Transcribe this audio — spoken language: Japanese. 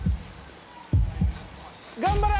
頑張れ！